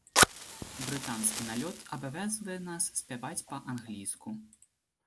Брытанскі налёт абавязвае нас спяваць па-англійску.